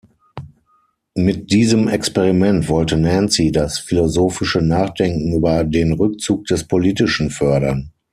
Mit diesem Experiment wollte Nancy das philosophische Nachdenken über den Rückzug des Politischen fördern.